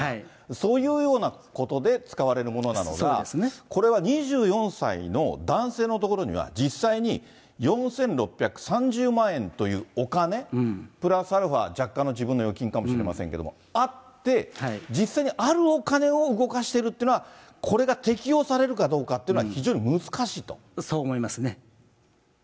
そういうようなことで使われるものなのが、これは２４歳の男性のところには実際に４６３０万円というお金、プラスアルファ若干の自分の預金かもしれませんけれども、あって、実際にあるお金を動かしてるっていうのは、これが適用されるかどそう思いますね。